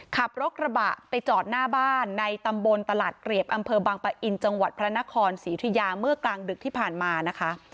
ขับรถกระบะไปจอดหน้าบ้านในตำบลตลาดเกลียบอำเภอบางปะอินจังหวัดพระนครศรีธุยาเมื่อกลางดึกที่ผ่านมานะคะ